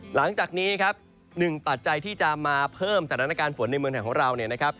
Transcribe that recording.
หลังจากนี้ครับหนึ่งปัจจัยที่จะมาเพิ่มสถานการณ์ฝนในเมืองไทยของเราเนี่ยนะครับ